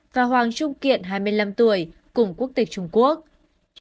và hoàng trung kiện hai mươi năm tuổi cùng quốc tịch trung quốc